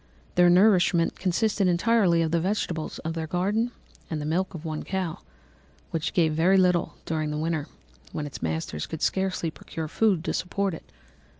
Their nourishment consisted entirely of the vegetables of their garden and the milk of one cow, which gave very little during the winter, when its masters could scarcely procure food to support it.